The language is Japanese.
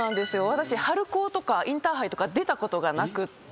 私春高とかインターハイとか出たことがなくて。